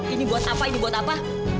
ini buat apa ini buat apa